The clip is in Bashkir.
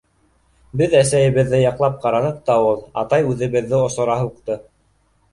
Беҙ әсәйебеҙҙе яҡлап ҡараныҡ та ул, атай үҙебеҙҙе осора һуҡты.